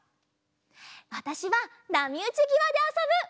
わたしはなみうちぎわであそぶ！